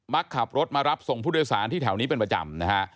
ขับรถมารับส่งผู้โดยสารที่แถวนี้เป็นประจำนะฮะ